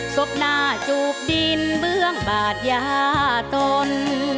บหน้าจูบดินเบื้องบาดยาตน